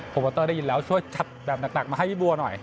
โมเตอร์ได้ยินแล้วช่วยจัดแบบหนักมาให้พี่บัวหน่อย